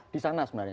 di sana sebenarnya